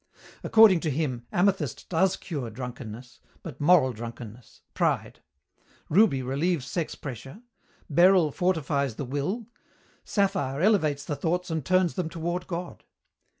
According to him, amethyst does cure drunkenness; but moral drunkenness, pride; ruby relieves sex pressure; beryl fortifies the will; sapphire elevates the thoughts and turns them toward God.